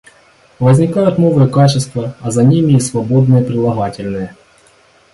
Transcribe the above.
Возникают новые качества, а за ними и свободные прилагательные.